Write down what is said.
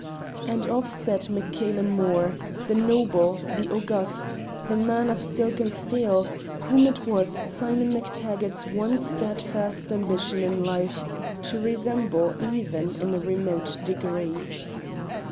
And off set Mac Cailen Mor, the noble, the august, the man of silk and steel, whom 'twas Simon MacTaggart's one steadfast ambition in life to resemble even in a remote degree.